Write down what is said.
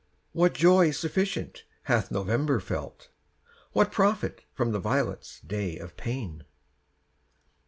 What joy sufficient hath November felt? What profit from the violet's day of pain?